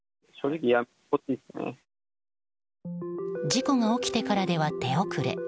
事故が起きてからでは手遅れ。